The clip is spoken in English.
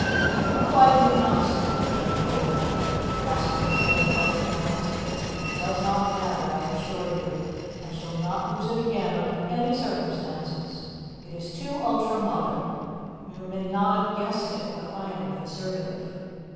"No, I do not see," returned the Kobold, grasping his head in both hands, "but it does not matter, I assure you. I shall not use it again under any circumstances. It is too ultra modern. You may not have guessed it but I am a conservative."